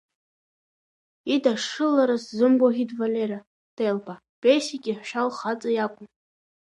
Идашшылара сзымгәаӷьит валера Делба, Бесик иаҳәшьа лхаҵа иакәын.